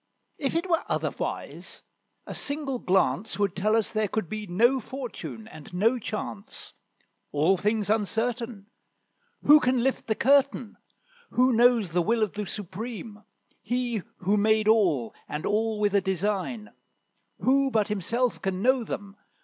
If it were otherwise, a single glance Would tell us there could be no fortune and no chance. All things uncertain; Who can lift the curtain? Who knows the will of the Supreme? He who made all, and all with a design; Who but himself can know them?